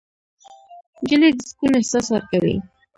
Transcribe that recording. نجلۍ د سکون احساس ورکوي.